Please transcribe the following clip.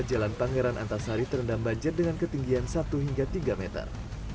jalan pangeran antasari terendam banjir dengan ketinggian satu hingga tiga meter